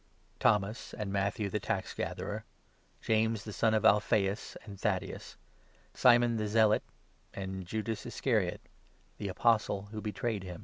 59 Thomas, and Matthew the tax gatherer ; James the son of Alphaeus, and Thaddaeus ; Simon the Zealot, and Judas Iscariot — the Apostle who 4 betrayed him.